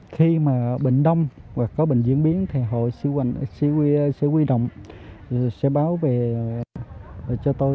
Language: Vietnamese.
khi mà bệnh đông hoặc có bệnh diễn biến thì họ sẽ quy động sẽ báo về cho tôi